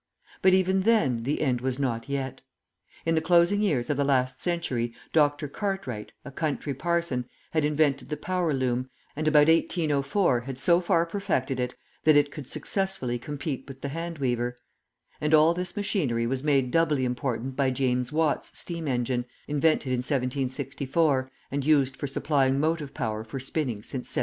But even then, the end was not yet. In the closing years of the last century, Dr. Cartwright, a country parson, had invented the power loom, and about 1804 had so far perfected it, that it could successfully compete with the hand weaver; and all this machinery was made doubly important by James Watt's steam engine, invented in 1764, and used for supplying motive power for spinning since 1785.